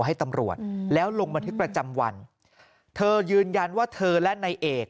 ให้ตำรวจแล้วลงบันทึกประจำวันเธอยืนยันว่าเธอและนายเอก